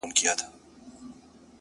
• ما دي ویلي کله قبر نایاب راکه ـ